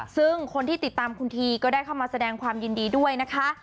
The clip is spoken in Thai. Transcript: ซึ่งคนที่ติดตามคุณทีก็ได้เข้ามาแสดงความยินดีด้วยนะคะ